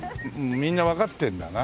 みんなわかってるんだな。